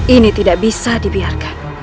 ini tidak bisa dibiarkan